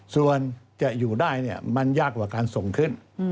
ส่วนจะอยู่ได้มันยากกว่าการส่งขึ้น